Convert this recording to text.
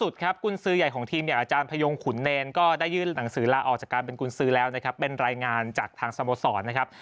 จากทางสมสรรค์นะครับ